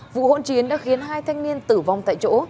vụ hỗn chiến đã khiến hai thanh niên tử vong tại chỗ